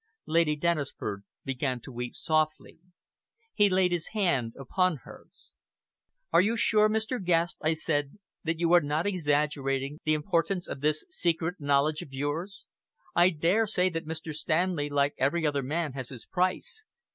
Lady Dennisford began to weep softly. He laid his hand upon hers. "Are you sure, Mr. Guest," I said, "that you are not exaggerating the importance of this secret knowledge of yours? I dare say that Mr. Stanley, like every other man, has his price.